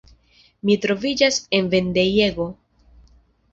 Mi troviĝas en vendejego.